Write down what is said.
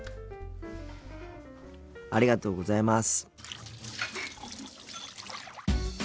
ありがとうございます。